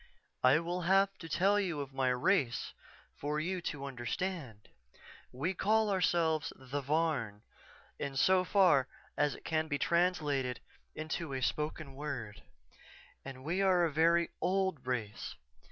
"_I will have to tell you of my race for you to understand. We call ourselves the Varn, in so far as it can be translated into a spoken word, and we are a very old race.